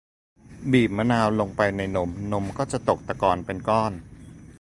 บีบมะนาวลงไปในนม นมก็จะตกตะกอนเป็นก้อน